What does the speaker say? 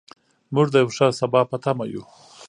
موږ د یو ښه سبا په تمه یو.